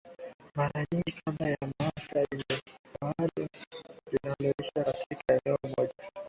Mara nyingi kabila la maasai ni maalum linaloishi katika eneo moja